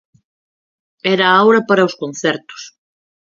Era a hora para os concertos.